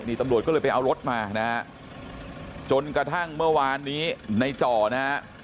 นี่ตำรวจก็เลยไปเอารถมานะฮะจนกระทั่งเมื่อวานนี้ในจ่อนะฮะ